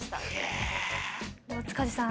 塚地さん